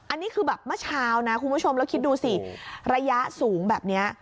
อันนี้คือแบบเมื่อเช้านะคุณผู้ชมแล้วคิดดูสิระยะสูงแบบนี้